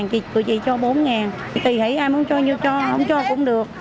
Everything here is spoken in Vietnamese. thì tụi chị cho bốn tùy hãy ai muốn cho như cho không cho cũng được